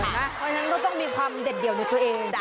เพราะฉะนั้นก็ต้องมีความเด็ดเดี่ยวในตัวเอง